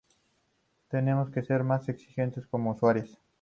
Tenemos que ser más exigentes como usuarias